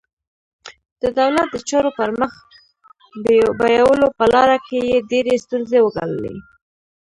د دولت د چارو پر مخ بیولو په لاره کې یې ډېرې ستونزې وګاللې.